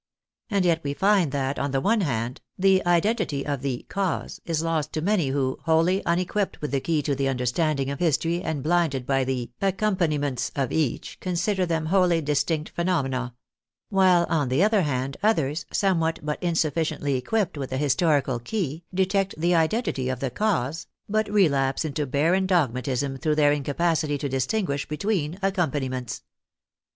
And yet we find that, on the one hand, the identity of the " cause " is lost to many who, wholly unequipped with the key to the understanding of history and blinded' by the " accompaniments " of each, consider them wholly distinct phenomena; while, on the other hand, others, somewhat but insufficiently equipped with the historical key, detect the identity of the '' cause," but relapse into barren dogmatism through their incapacity to distinguish between " accompaniments."